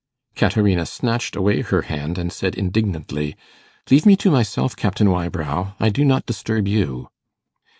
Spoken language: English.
Caterina snatched away her hand and said indignantly, 'Leave me to myself, Captain Wybrow! I do not disturb you.